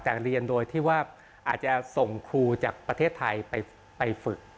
แต่เรียนโดยที่ว่าอาจจะส่งครูจากประเทศไทยไปฝึก